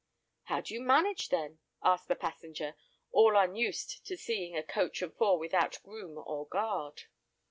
"How do you manage then?" asked the passenger, all unused to seeing a coach and four without groom or guard.